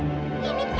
ini pasti cuma akal akal